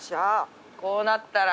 こうなったら。